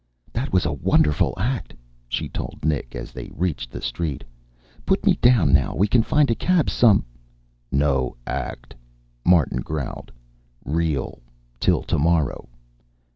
"That was a wonderful act," she told Nick, as they reached the street. "Put me down now. We can find a cab some " "No act," Martin growled. "Real. Till tomorrow.